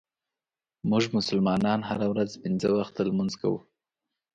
مونږ مسلمانان هره ورځ پنځه وخته لمونځ کوو.